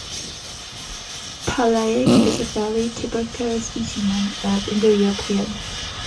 Palaic is a fairly typical specimen of Indo-European.